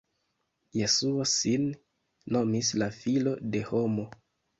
Jesuo sin nomis la "filo de homo".